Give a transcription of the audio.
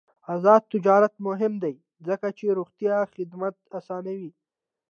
آزاد تجارت مهم دی ځکه چې روغتیا خدمات اسانوي.